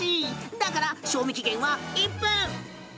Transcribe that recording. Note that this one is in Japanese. だから、賞味期限は１分。